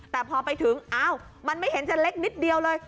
แต่พอไปถึงอ้าวมันไม่เห็นจะเล็กนิดเดียวเลย